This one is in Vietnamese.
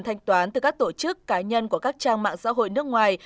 thanh toán từ các tổ chức cá nhân của các trang mạng xã hội nước ngoài